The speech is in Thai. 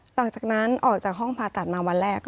หลังจากนั้นออกจากห้องผ่าตัดมาวันแรก